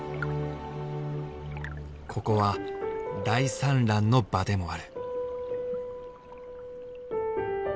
ここは大産卵の場でもある。